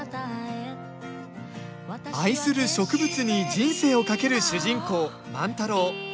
愛する植物に人生を懸ける主人公万太郎。